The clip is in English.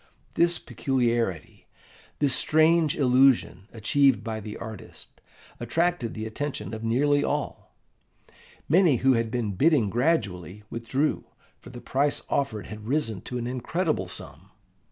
This peculiarity, this strange illusion achieved by the artist, attracted the attention of nearly all. Many who had been bidding gradually withdrew, for the price offered had risen to an incredible sum.